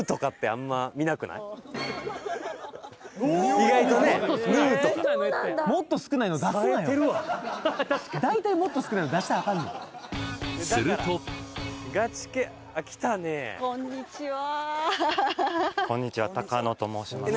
意外とねヌーとか大体もっと少ないの出したらアカンねんするとこんにちは高野と申します